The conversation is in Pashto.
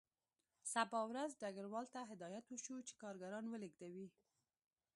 سبا ورځ ډګروال ته هدایت وشو چې کارګران ولېږدوي